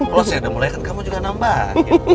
kalau saya udah mulai kan kamu juga nambah